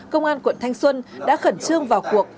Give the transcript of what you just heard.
công an quận thanh xuân đã khẩn trương vào cuộc